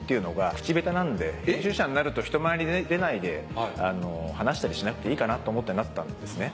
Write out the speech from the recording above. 編集者になると人前に出ないで話したりしなくていいかなと思ってなったんですね。